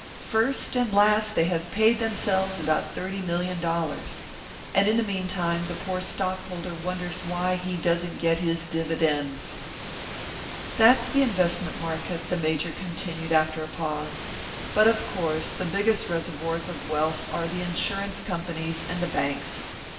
First and last they have paid themselves about thirty million dollars. And, in the meantime, the poor stockholder wonders why he doesn't get his dividends!" "That's the investment market," the Major continued after a pause; "but of course the biggest reservoirs of wealth are the insurance companies and the banks.